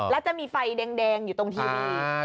แล้วจะมีไฟแดงอยู่ตรงทีวี